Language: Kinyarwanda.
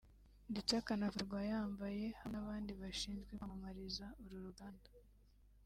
ndetse akanafotorwa ayambaye hamwe n’abandi bashinzwe kwamamariza uru ruganda